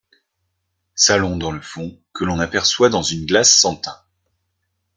Salon dans le fond, que l’on aperçoit dans une glace sans tain.